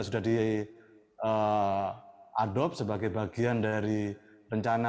menjadi adob sebagai bagian dari rencana